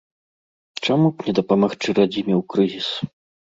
Чаму б не дапамагчы радзіме ў крызіс.